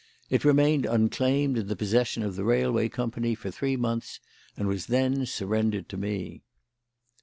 It remained unclaimed in the possession of the railway company for three months, and was then surrendered to me."